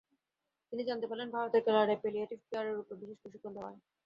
তিনি জানতে পারলেন ভারতের কেরালায় প্যালিয়েটিভ কেয়ারের ওপর বিশেষ প্রশিক্ষণ দেওয়া হয়।